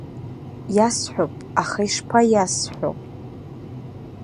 Иасҳәап, аха ишԥаиасҳәо?